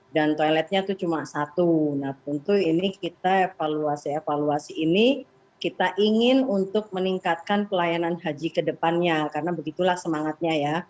nah tentu ini kita evaluasi evaluasi ini kita ingin untuk meningkatkan pelayanan haji ke depannya karena begitulah semangatnya ya